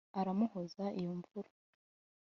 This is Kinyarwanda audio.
aramuhoza iyo nvuro,